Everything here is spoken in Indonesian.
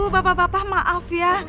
bapak bapak maaf ya